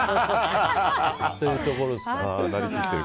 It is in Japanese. というところですかね。